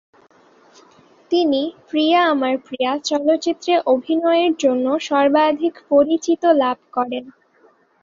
তিনি "প্রিয়া আমার প্রিয়া" চলচ্চিত্রে অভিনয়ের জন্য সর্বাধিক পরিচিত লাভ করেন।।